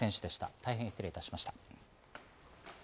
大変失礼いたしました。